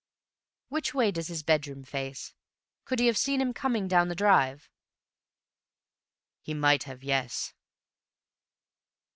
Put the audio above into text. "Which way does his bedroom face? Could he have seen him coming down the drive?" "He might have, yes."